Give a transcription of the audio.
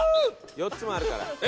４つもあるから。